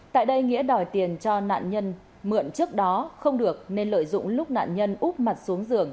tại đây nghĩa đòi tiền cho nạn nhân mượn trước đó không được nên lợi dụng lúc nạn nhân úp mặt xuống giường